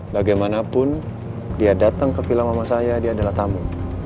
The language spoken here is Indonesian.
bagaimanapun dia datang ke film mama saya dia adalah tamu